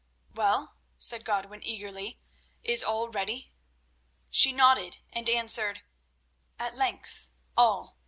"Well," said Godwin eagerly, "is all ready?" She nodded and answered: "At length, all.